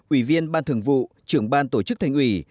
ủy viên ban thường vụ trưởng ban tổ chức thành ủy